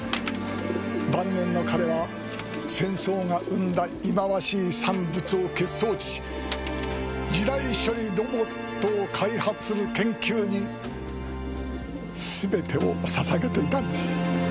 晩年の彼は戦争が生んだ忌まわしい産物を消す装置地雷処理ロボットを開発する研究にすべてを捧げていたんです。